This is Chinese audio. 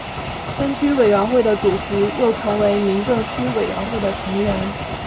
分区委员会的主席又成为民政区委员会的成员。